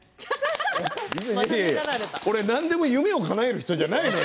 俺、何でも夢をかなえる人じゃないよ。